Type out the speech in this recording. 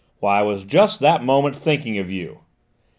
Why, I was just that moment thinking of you!"